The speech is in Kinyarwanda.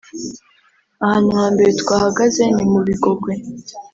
ahantu ha mbere twahagaze ni mu Bigogwe